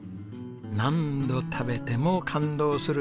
何度食べても感動する